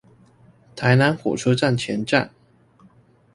臺南火車站前站